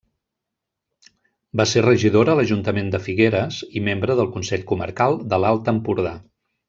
Va ser regidora a l'Ajuntament de Figueres i membre del Consell Comarcal de l'Alt Empordà.